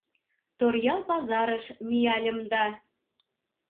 Торъял пазарыш мияльым да